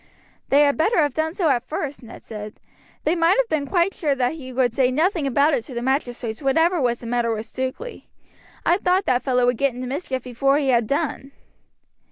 "They had better have done so at first," Ned said; "they might have been quite sure that he would say nothing about it to the magistrates whatever was the matter with Stukeley. I thought that fellow would get into mischief before he had done."